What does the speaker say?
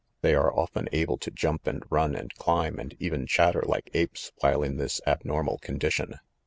They are often able to jump and run and climb and even chatter like apes while in this abnormal condition.